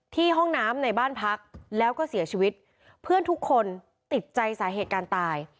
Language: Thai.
ห้องน้ำในบ้านพักแล้วก็เสียชีวิตเพื่อนทุกคนติดใจสาเหตุการตาย